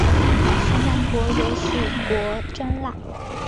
扶南国有属国真腊。